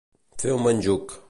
Fer un menjuc.